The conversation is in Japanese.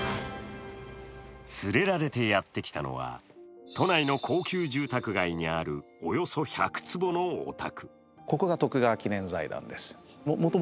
連れられてやって来たのは都内の高級住宅街にあるおよそ１００坪のお宅。